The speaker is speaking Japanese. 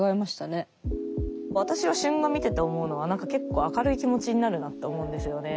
私は春画見てて思うのは何か結構明るい気持ちになるなと思うんですよね。